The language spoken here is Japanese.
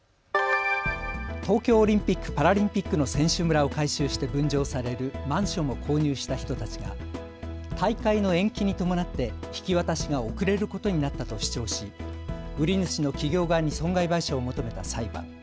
東京オリンピック・パラリンピックの選手村を改修して分譲されるマンションを購入した人たちが大会の延期に伴って引き渡しが遅れることになったと主張し売り主の企業側に損害賠償を求めた裁判。